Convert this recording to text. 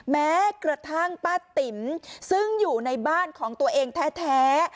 แม้กระทั่งป้าติ๋มซึ่งอยู่ในบ้านของตัวเองแท้